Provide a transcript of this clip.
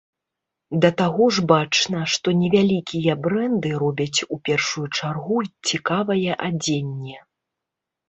Да таго ж бачна, што невялікія брэнды робяць у першую чаргу цікавае адзенне.